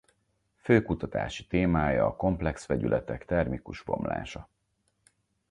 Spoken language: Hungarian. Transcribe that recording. Fő kutatási témája a komplex vegyületek termikus bomlása.